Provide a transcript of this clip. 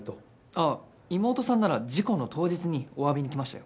あっ妹さんなら事故の当日にお詫びに来ましたよ。